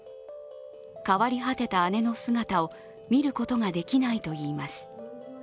変わり果てた姉の姿を見ることができないといいます。